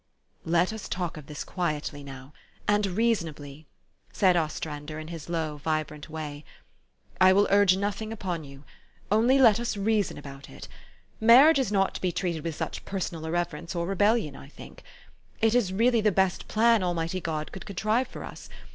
" Let us talk of this quietly now, and reasonably," said Ostrander in his low, vibrant way. "I will urge nothing upon }'ou. Onl} r let us reason about it. Marriage is not to be treated with such personal irreverence or rebellion, I think. It is really the best plan Almighty God could contrive for us.